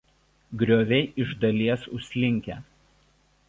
Grioviai iš dalies užslinkę.